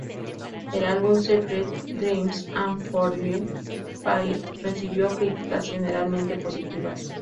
El álbum Secret Dreams and Forbidden Fire recibió críticas generalmente positivas.